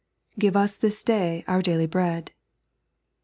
" Give ug this Day our Daily Bread."